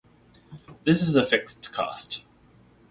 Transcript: This is a fixed cost.